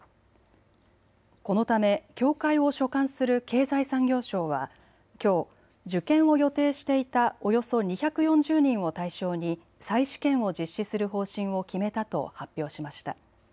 このため協会を所管する経済産業省はきょう受験を予定していたおよそ２４０人を対象に再試験を実施する方針を決めたと発表しました。